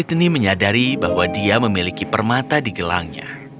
sitiny menyadari bahwa dia memiliki permata di gelangnya